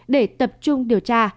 để tập trung điều tra